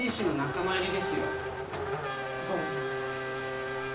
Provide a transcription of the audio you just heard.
どうだか。